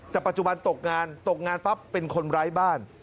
แต่ปัจจุบันตกงานตกงานปั๊บเป็นคนไร้บ้าน